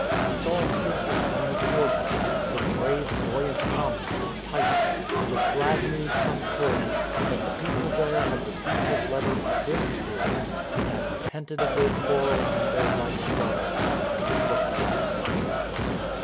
He saw a figure coming toward him, his brave, buoyant comrade, Titus, with glad news from Corinth, that the people there had received his THE FOILED PLOT 269 letter in a good spirit, and had repented of their quar rels and their light thoughts about deeds of lust.